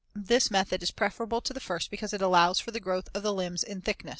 This method is preferable to the first because it allows for the growth of the limbs in thickness.